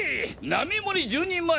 並盛り１０人前！